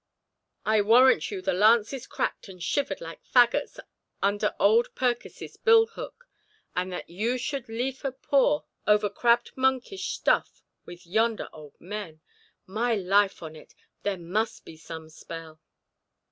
I warrant you the lances cracked and shivered like faggots under old Purkis's bill hook. And that you should liefer pore over crabbed monkish stuff with yonder old men! My life on it, there must be some spell!"